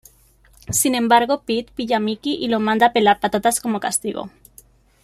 Sin embargo, Pete pilla a Mickey y lo manda a pelar patatas como castigo.